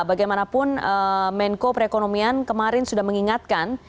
bagaimanapun menko perekonomian kemarin sudah mengingatkan